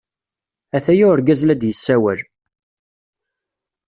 Ataya urgaz la d-yessawal.